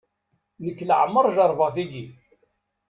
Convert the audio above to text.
Nekk leɛmer jerbeɣ tigi.